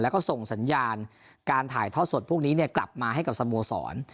แล้วก็ส่งสัญญาณการถ่ายทอดสดพวกนี้กลับมาให้กับสโมสร